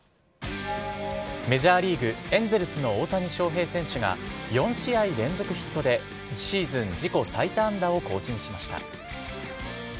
メジャーリーグ・エンゼルスの大谷翔平選手が、４試合連続ヒットでシーズン自己最多安打を更新しました。